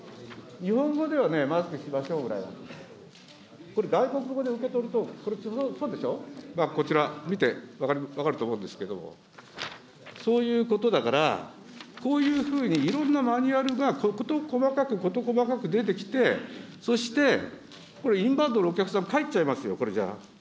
日本語ではマスクしましょうぐらいなの、これ外国語で受け取ると、これ、そうでしょ、こちら、見て分かると思うんですけど、そういうことだから、こういうふうにいろんなマニュアルが事細かく事細かく出てきて、そしてこれ、インバウンドのお客さん、帰っちゃいますよ、これじゃ。